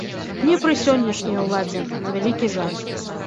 Не пры сённяшняй уладзе, на вялікі жаль.